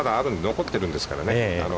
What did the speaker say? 残ってるんですからね。